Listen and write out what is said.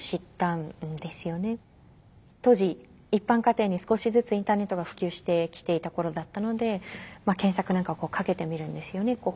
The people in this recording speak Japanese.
当時一般家庭に少しずつインターネットが普及してきていた頃だったので検索なんかをかけてみるんですよね。